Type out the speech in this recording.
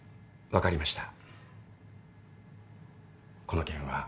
分かりました。